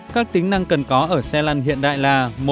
các tính năng cần có ở xe lăn hiện đại là